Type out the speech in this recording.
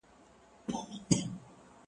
څونه په ارمان کي راته وخاندي